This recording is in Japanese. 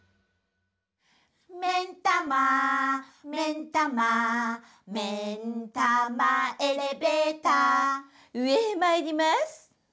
「めんたまめんたま」「めんたまエレベーター」うえへまいりまーす。